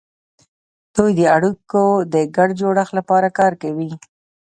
دوی د اړیکو د ګډ جوړښت لپاره کار کوي